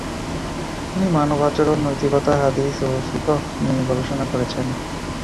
তিনি মানব আচরণ, নৈতিকতা, হাদিস ও ফিকহ নিয়ে গবেষণা করেছেন।